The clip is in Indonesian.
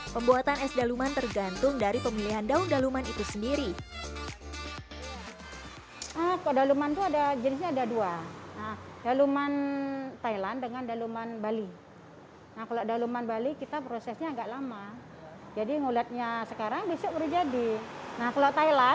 pembuatan es daluman tergantung dari pemilihan daun daluman itu sendiri